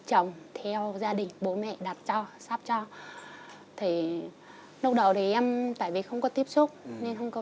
chồng theo gia đình bố mẹ đặt cho sắp cho thấy lúc đầu thì em tại vì không có tiếp xúc nên không có